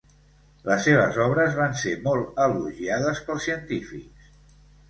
Les seves obres van ser molt elogiades pels científics.